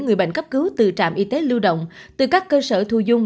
người bệnh cấp cứu từ trạm y tế lưu động từ các cơ sở thu dung